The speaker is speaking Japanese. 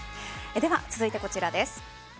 では続いて、こちらです。